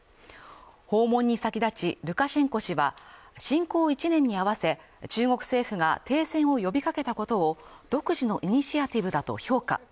訪問に先立ち、ルカシェンコ氏は侵攻１年に合わせ、中国政府が停戦を呼びかけたことを、独自のイニシアティブだと評価。